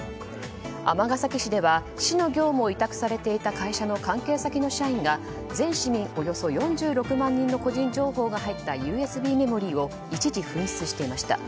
尼崎市では、市の業務を委託されていた関係先の社員が全市民およそ４６万人の個人情報が入ったＵＳＢメモリーを一時紛失していました。